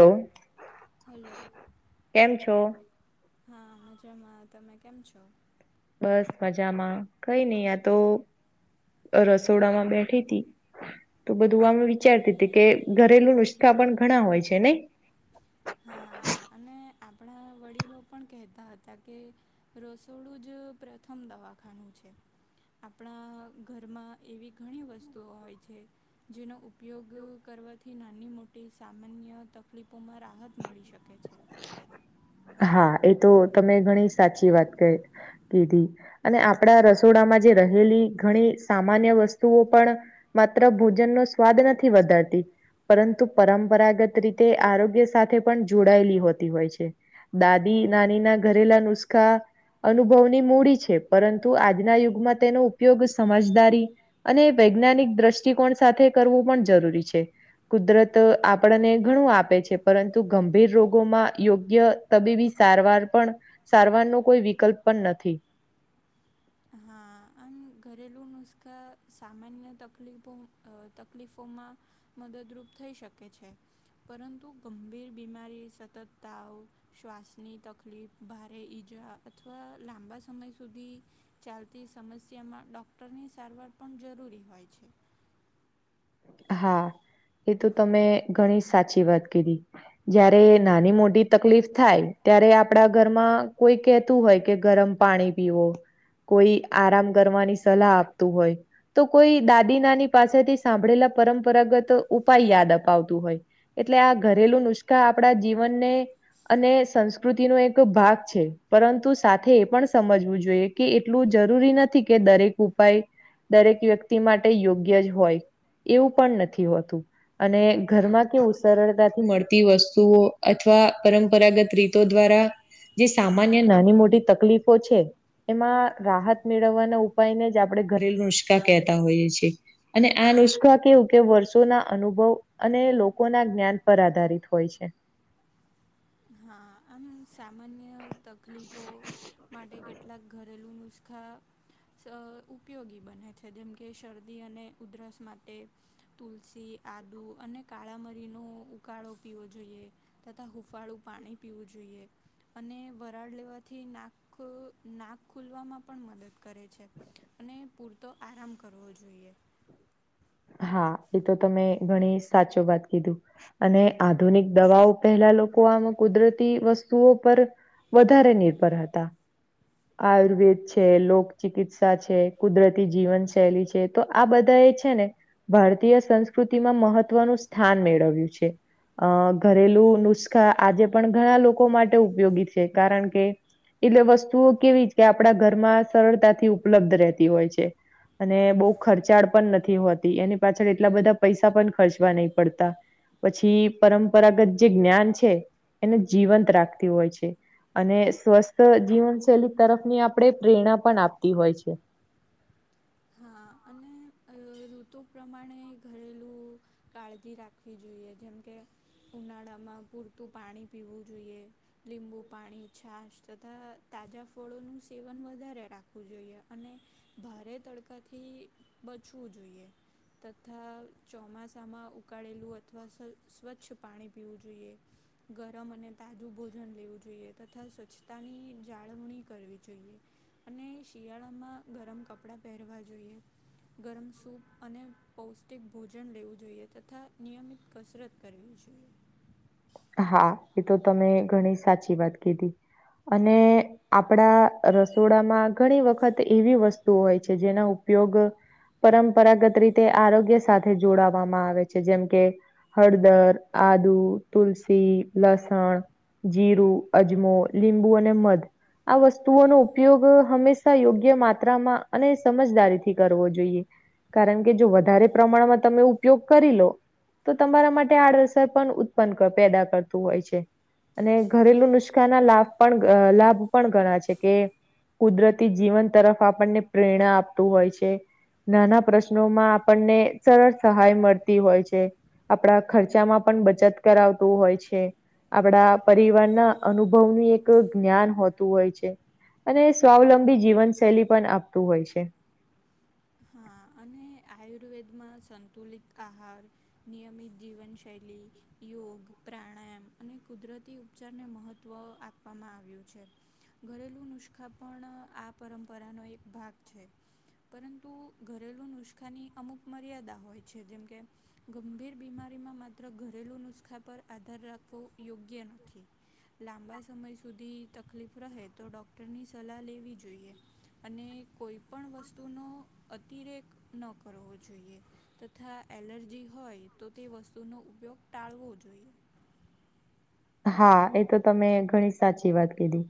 Hello hello hello કેમ હા મજામાં તમે કેમ છો? બસ મજામાં કઈ ની આ તો રસોડામાં બેઠી તી તો બધું આમ વિચારતી હતી કે ઘરેલું નુસ્ખા પણ ઘણા હોય છે નઈ? હા અને આપણા વડીલો પણ કહેતા હતા કે રસોડું જ પ્રથમ દવાખાનું છે. આપડા ઘરમાં એવી ઘણી વસ્તુઓ હોય છે જેનો ઉપયોગ કરવાથી નાની-મોટી સામાન્ય તકલીફોમાં રાહત મળી શકે છે. હા એ તો તમે ઘણી સાચી વાત ક કીધી અને આપડા રસોડામાં જે રહેલી ઘણી સામાન્ય વસ્તુઓ પણ માત્ર ભોજનનો સ્વાદ નથી વધારતી પરંતુ પરંપરાગત રીતે આરોગ્ય સાથે પણ જોડાયેલી હોતી હોય છે. દાદી નાની ના ઘરેલા નુસ્ખા અનુભવની મૂડી છે પરંતુ આજના યુગમાં તેનો ઉપયોગ સમમાજદારી અને વૈજ્ઞાનિક દ્રષ્ટિકોણ સાથે કરવું પણ જરૂરી છે. કુદરત આપણને ઘણું આપે છે પરંતુ ગંભીર રોગોમાં યોગ ગ્ય તબીબી સારવાર પણ સારવાર નુ કોઈ વિકલ્પ પણ નથી. હા આમ ઘરેલું નુસ્ખા સામાન્ય તકલીફો અ તકલીફોમાં મદદરૂપ થઈ શકે છે પરંતુ ગંભીર બીમારી સતત તાવ શ્વાસની તકલીફ ભારે ઈજા અથવા લાંબા સમય સુધી ચાલતી સમસ્યામાં ડૉક્ટરની સારવાર પણ જરૂરી હોય છે. હા એ તો તમે ઘણી સાચી વાત કીધી જયારે નાની મોટી તકલીફ થાય ત્યારે આપડા ઘરમાં કોઈ કેહેતું હોય કે ગરમ પાણી પીવો કોઈ આરામ કરવાની સલાહ આપતું હોય. તો કોઈ દાદી નાની પાસેથી સાંભળેલા પરંપરાગત ઉપાય યાદ અપાવતું હોય. એટલે આ ઘરેલું નુસખા આપડા જીવનને અને સંસ્કૃતિનો એક ભાગ છે પરંતુ સાથે એ પણ સમજવું જોઈએ કે એટલું જરૂરી નથી કે દરેક ઉપાય દરેક વ્યક્તિ માટે યોગ્ય જ હોય. એવું પણ નથી હોતું. અને ઘરમાં કેવું સરળતાથી મળતી વસ્તુઓ અથવા પરંપરાગત રી તો દ્વારા જે સામાન્ય નાની-મોટી તકલીફો છે એમાં રાહત મેળવવાના ઉપાયને જ આપડે ઘરેલુ નુસખા કહેતા હોઈએ છે અને આનુસ્ક સકા કેવું કે વર્ષોના અનુભવ અને લોકો ના જ્ઞાન પર આધારિત હોય છે. હા આમ સામાન્ય તકલીફો માટે કેટલાક ઘરેલું નુસ્ ખા સ ઉપયોગી બને છે જેમકે શરદી અને ઉધરસ માટે તુલસી આદુ અને કાળા મરીનો ઉકાળો પીવો જોઈએ. તથા હૂંફાળું પાણી પીવું જોઈએ. અને વરાળ લેવાથી નાખ નાક ખુલવામાં પણ મદદ કરે છે અને પૂરતો આરામ કરવો જોઈએ. હા એ તો તમે ઘણી સાચો વાત કીધું. અને આધુનિક દવાઓ પહેલા લોકો આનુ કુદરતી વસ્તુઓ પર વધારે નિર્ભર હતા. આયુર્વેદ છે લોકચિકિત્સા છે કુદરતી જીવન શૈલી છે તો આ બધા એ છે ને ભારતીય સંસ્કૃતિમાં મહત્વનું સ્થાન મેળવ્યું છે. અ ઘરેલુ નુસખા આજે પણ ઘણા લોકો માટે ઉપયોગી છે કારણ કે એટલે વસ્તુઓ કેવી જ કે આપણા ઘરમાં સરળતાથી ઉપલબ્ધ રહેતી હોય છે. અને બહુ ખર્ચાળ પણ નથી હોતી એની પાછળ એટલા બધા પૈસા પણ ખર્ચવા નહી પડતા પછી પરંપરાગત જે જ્ઞાન છે એને જીવંત રાખતી હોય છે. અને સ્વસ્થ જીવનશૈલી તરફ ની આપણે પ્રેરણા પણ આપતી હોય છે. હા અને અહ ઋતુ પ્રમાણે ઘરેલું કાળજી રાખવી જોઈએ જેમ કે ઉનાળામાં પૂરતું પાણી પીવું જોઈએ લીંબુ પાણી છાશ તથા તાજા ફળોનું સેવન વધારે રાખવું જોઈએ અને ભારે તડકાથી બચવું જોઈએ. તથા ચોમાસામાં ઉકાળેલું અથવા સ્વ સ્વચ્છ પાણી પીવું જોઈએ. ગરમ અને તાજું ભોજન લેવું જોઈએ તથા સ્વચ્છતાની જાળવણી કરવી જોઈએ. અને શિયાળામાં ગરમ કપડાં પહેરવા જોઈએ ગરમ સૂપ અને પૌષ્ટિક ભોજન લેવું જોઈએ તથા નિયમિત કસરત કરવી જોઈએ. હા એ તો તમે ઘણી સાચી વાત કીધી અને આપણા રસોડામાં ઘણી વખત એવી વસ્તુઓ હોય છે જેનો ઉપયોગ પરંપરાગત રીતે આરોગ્ય સાથે જોડવામાં આવે છે જેમ કે હળદર આદુ તુલસી, લસણ, જીરું, અજમો, લીંબુ, અને મધ આ વસ્તુઓનો ઉપયોગ હંમેશા યોગ્ય માત્રામાં અને સમજદારીથી કરવો જોઈએ. કારણ કે જો વધારે પ્રમાણમાં તમે ઉપયોગ કરી લો તો તમારા માટે આડઅસર પણ ઉત્પન્ન કર પેદા કરતું હોય છે. અને ઘરેલુ નુસ્ખાના લાભ પણ અ લાભ પણ ધણા છે કે કુદરતી જીવન તરફ આપણને પ્રેરણા આપતું હોય છે. નાના પ્રશ્નોમાં આપણને સરળ સહાય મળતી હોય છે. આપણા ખર્ચામાં પણ બચત કરાવતું હોય છે. આપણા પરિવારના અનુભવ ની એક જ્ઞાન હોતું હોય છે. અને સ્વાવલંબી જીવન શૈલી પણ આપતું હોય છે. હા અને આયુર્વેદમાં સંતુલિત આહાર નિયમિત જીવનશૈલી યોગ પ્રાણાયામ અને કુદરતી ઉપચારને મહત્વ આપ આપવામાં આવ્યું છે. ઘરેલું નુસખા પણ આ પરંપરાનો એક ભાગ છે પરંતુ તુ ઘરેલું નુસખાની અમુક મર્યાદા હોય છે જેમ કે ગંભીર બીમારીમાં માત્ર ઘરેલુ નુસ્ખા પર આધાર રાખવો યોગ્ય નથી લાંબા સમય સુધી તકલીફ રહે તો ડોક્ટરની સલાહ લેવી જોઈએ જોઈએ અને કોઈ પણ વસ્તુનો અતિરેક ન કરવો જોઈએ તથા એલર્જી હોય તો તે વસ્તુનો ઉપયોગ ટાળવો જોઈએ. હા એ તો તમે ઘણી સાચી વાત કીધી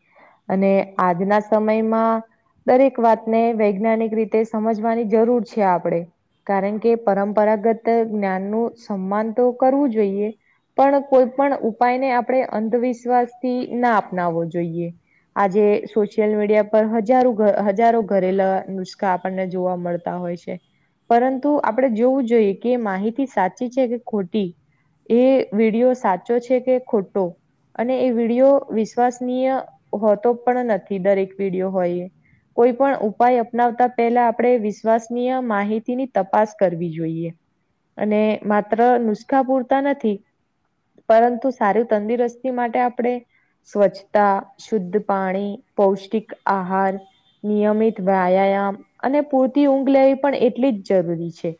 અને આજના સમયમાં દરેક વાતને વૈજ્ઞાનિક રીતે સમજવાની જરૂર છે આપણે કારણ કે પરંપરાગત જ્ઞાન નુ સન્માન તો કરવું જોઈએ. પણ કોઈ પણ ઉપાયને આપણે અંધવિશ્વાસથી ના અપનાવવો જોઈએ. આજે સોશિયલ મીડિયા પર હજારો હજારો ઘરેલા નુસ્ખા આપણને જોવા મળતા હોય છે. પરંતુ આપણે જોવું જોઈએ કે માહિતી સાચી છે કે ખોટી એ વિડિયો સાચો છે કે ખોટો અને એ વિડિયો વિશ્વસનીય હોતો પણ નથી દરેક વિડીયો હોય એ કોઈ પણ ઉપાય અપનાવતા પહેલા આપણે વિશ્વસનીય માહિતીની તપાસ કરવી જોઈએ. અને માત્ર નુસખા પૂરતા નથી પરંતુ સારી તંદુરસ્તી માટે આપણે સ્વચ્છતા શુદ્ધ પાણી પૌષ્ટિક આહાર નિયમિત વ્યાયામ અને પૂરતી ઊંઘ લેવી પણ એટલી જ જરૂરી છે.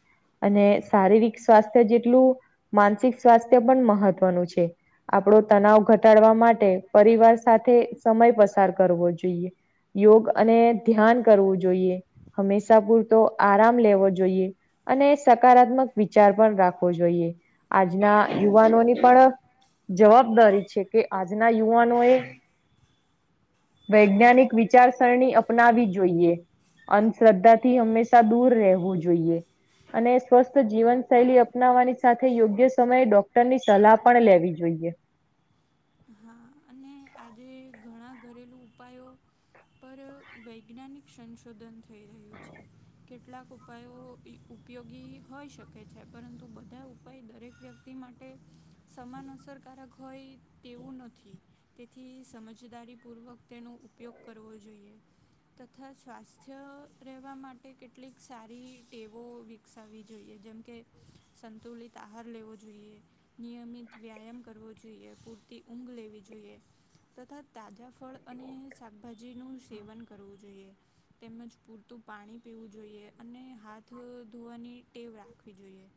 અને શારીરિક સ્વાસ્થ્ય જેટલું માનસિક સ્વાસ્થ્ય પણ મહત્વનું છે. આપડો તનાવ ઘટાડવા માટે પરિવાર સાથે સમય પસાર કરવો જોઈએ. યોગ અને ધ્યાન કરવું જોઈએ હંમેશા પૂરતો આરામ લેવો જોઈએ. અને સકારાત્મક વિચાર પણ રાખવો જોઈએ આજના યુવાનોની પણ જવાબદારી છે કે આજના યુવા નો એ વૈજ્ઞાનિક વિચારસરણી અપનાવવી જોઈએ. અંધશ્રદ્ધા થી હંમેશા દૂર રહેવું જોઈએ. અને સ્વસ્થ જીવનશૈલી અપનાવવાની સાથે યોગ્ય સમયે ડોક્ટર ની સલાહ પણ લેવી જોઈએ. હા અને આજે ઘણા ઘરેલું ઉપાયો પર વૈજ્ઞાનિક સંશોધન થઈ રહ્યું છે કેટલાક ઉપાયો ઉપયોગી હોય શકે છે પરંતુ બધા ઉપાય દરેક વ્યક્તિ માટે સમાન અસરકારક હોય તેવું નથી તેથી સમજદારી પૂર્વક તેનો ઉપયોગ કરવો જોઈએ. તથા સ્વાસ્થ્ય રહેવા માટે કેટલીક સારી ટેવો વિકસાવી જોઈએ જેમકે સંતુલિત આહાર લેવો જોઈએ. નિયમિત વ્યાયામ કરવો જોઈએ પૂરતી ઊંઘ લેવી જોઈએ. તથા તાજા ફળ અને શાકભાજી નું સેવન કરવું જોઈએ. તેમજ પૂરતું પાણી પીવું જોઈએ અને હાથ ધોવાની ટેવ રાખવી જોઈએ.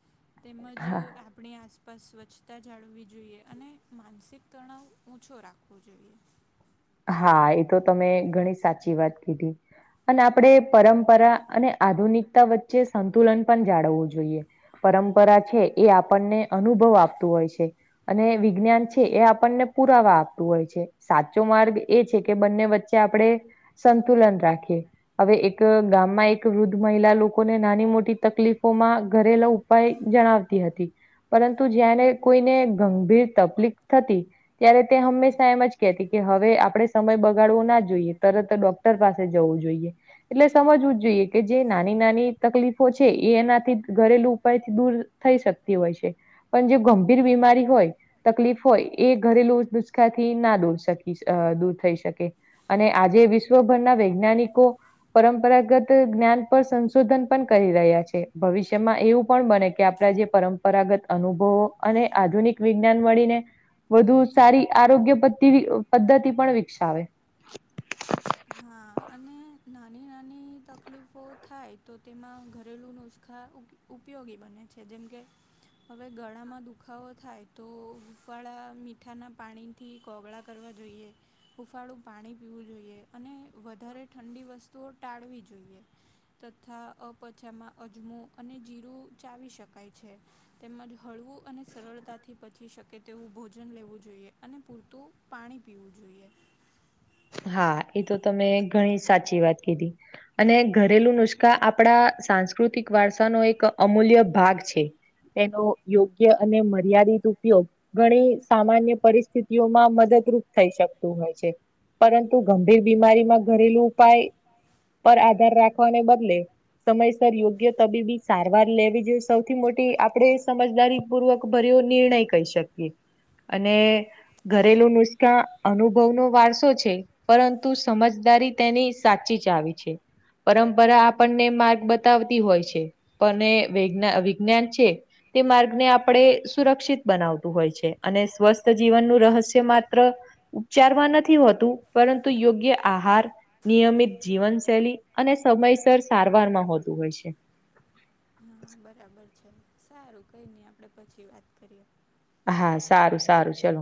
તેમજ હા આપ આપણી આસપાસ સ્વછતા જાળવવી જોઈએ અને માનસિક તણાવ ઓછો રાખવો જોઈએ. હા એતો તમે ઘણી સાચી વાત કીધી. અને આપણે પરંપરા અને આધુનિકતા વચ્ચે સંતુલન પણ જાળવવું જોઈએ. પરંપરા છે એ, આપણ ને અનુભવ આપતું હોય છે. અને, વિજ્ઞાન છે, એ આપણને પુરાવા આપતું હોય છે. તો, માર્ગ એ છે કે, બન્ને વચ્ચે આપડે સંતુલન રાખીએ. હવે, એક ગામમાં એક, વૃદ્ધ મહિલા લોકોને નાની મોટી તકલીફોમાં ઘરેલું- -ઉપાયો જણાવતી હતી. પરંતુ જયારે કોઈને ગંભીર તકલીફ થતી- ત્યારે તે હંમેશા એમજ કહેતી- -કે હવે આપણે સમય બગાડવો ન જોઈએ. તરતજ ડોક્ટર પાસે જવું જોઈએ. એટલે સમજવુજ જોઈએ, કે, જે નાની નાની તકલીફો છે, એ એનાથી ઘરેલું ઉપાય થી દૂર- -થઈ શકતી હોય છે. પણ જે ગંભીર બીમારી હોય, તકલીફ હોય, એ ઘરેલુ નુસખા થી ના દૂર- -દૂર થઈ શકે. અને આજે વિશ્વભરમાં વૈજ્ઞાનિકો- પરંપરાગત જ્ઞાન પણ સંશોધન પણ કરી રહ્યા છે. ભવિષ્યમાં, એવું પણ બને કે, આપણા જે- પરંપરાગત અનુભવો અને આધુનિક વિજ્ઞાન મળીને- વધુ સારી આરોગ્ય પધ્ધતિ પણ વિકસાવે. હા, અને નાની નાની તકલીફો થાય, તો તેમાં ઘરેલું નુસખા ઉપયોગી- -ઉપયોગી બને છે. જેમકે- હવે, ગળામાં દુખાવો થાય તો, હુંફાળા મીઠાંનાં પાણી- -થી કોગળા કરવા જોઈએ. હૂંફાળું પાણી પીવું જોઈએ. અને, વધારે ઠંડી વસ્તુઓ ટાળવી જોઈએ. તથા, અપચા માં અજમો અને જીરું ચાવી શકાય છે. તેમજ હળવું અને સરળતા થી પચી શકે- -તેવું ભોજન લેવું જોઈએ. અને પૂરતું પાણી લેવું જોઈએ. હા, એતો તમે ઘણી સાચી વાત કીધી. અને ઘરેલું નુસખા, આપણા સાંસ્કૃતિક વારસાનો એક અમૂલ્ય ભાગ છે. તેનો, યોગ્ય અને મર્યાદિત ઉપયોગ- ઘણી સામાન્ય પરિસ્થિતિ ઓ માં, મદદરૂપ થઈ શકતું હોય છે. પરંતુ ગંભીર બીમારીમાં ઘરેલું ઉપાય પર આધાર રાખવાને બદલે- સમયસર યોગ્ય તબીબી સારવાર લેવી જોઈએ. સૌથી મોટી આપડે સમજદારી- -પૂર્વક ભર્યુ નિર્ણય કહી શકીએ. અને, ઘરેલું નુસ્ખા અનુભવ નો વારસો છે. પરંતુ સમજદારી તેની સાચી ચાવી છે. પરંપરા આપણને માર્ગ બતાવતી હોય છે. પણ એ વિગ્ન વિજ્ઞાન છે- -તે માર્ગને આપડે સુરક્ષિત બનાવતું હોય છે. અને સ્વસ્થ જીવનનું રહસ્ય માત્ર- ઉપચાર મા નથી હોતું, પરંતુ યોગ્ય આહાર- નિયમિત જીવનશૈલી અને સમયસર સારવારમાં હોતું હોય છે. હા, બરાબર છે, સારું કંઈ નઈ આપણે પછી વાત કરીએ. હા સારું સારું ચલો.